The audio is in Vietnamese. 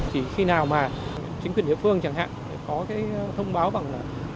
chỉ khi nào mà chính quyền địa phương chẳng hạn có thông báo bằng